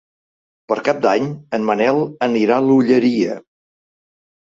Per Cap d'Any en Manel anirà a l'Olleria.